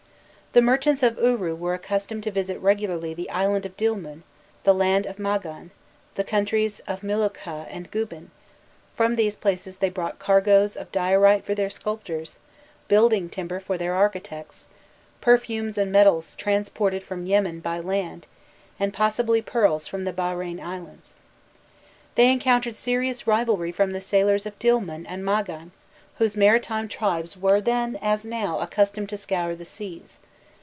The merchants of Uru were accustomed to visit regularly the island of Dilmun, the land of Magan, the countries of Milukhkha and Gubin; from these places they brought cargoes of diorite for their sculptors, building timber for their architects, perfumes and metals transported from Yemen by land, and possibly pearls from the Bahrein Islands. They encountered serious rivalry from the sailors of Dilmun and Magan, whose maritime tribes were then as now accustomed to scour the seas.